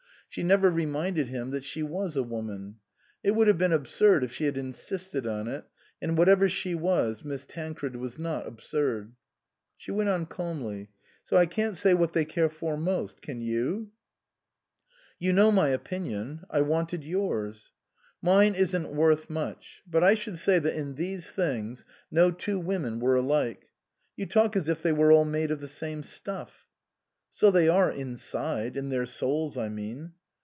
She never reminded him that she was a woman. It would have been absurd if she had insisted on it, and whatever she was Miss Tancred was not absurd. She went on calmly, "So I can't say what they care for most ; can you ?"" You know my opinion. I wanted yours." "Mine isn't worth much. But I should say that in these things no two women were alike. You talk as if they were all made of the same stuff." " So they are inside in their souls, I mean."